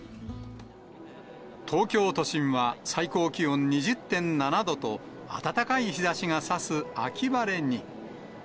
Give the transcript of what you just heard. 東京都心は、最高気温２０．７度と、暖かい日ざしがさす秋晴れに。